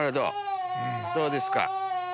どうですか？